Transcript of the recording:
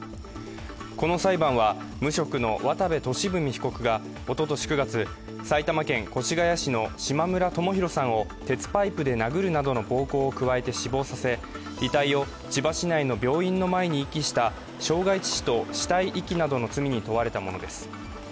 この裁判は無職の渡部俊文被告がおととし９月、埼玉県越谷市の島村智広さんを鉄パイプで殴るなどの暴行を加えて死亡させ、遺体を千葉市内の病院の前に遺棄した傷害致死と死体遺棄などの罪に問われたものです。